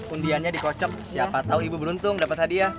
undiannya dikocok siapa tahu ibu beruntung dapat hadiah